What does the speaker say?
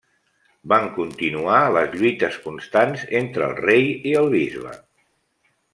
Van continuar les lluites constants entre el rei i el bisbe.